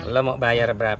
lo mau bayar berapa